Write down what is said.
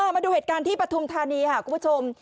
มาดูเหตุการณ์ที่ปฐุมธานีค่ะคุณผู้ชม